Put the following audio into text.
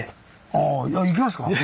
ああ行きますか。